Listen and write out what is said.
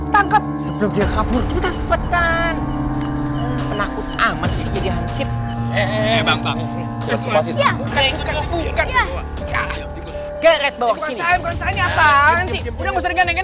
tangkep sebelum dia kabur cepetan penakutan masih jadi hansip eh bang bang